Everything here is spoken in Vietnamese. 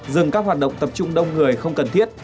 dừng các hoạt động tập trung đông người không cần thiết